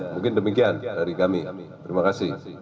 mungkin demikian dari kami terima kasih